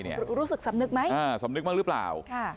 รู้สึกสำนึกไหมสำนึกบ้างหรือเปล่า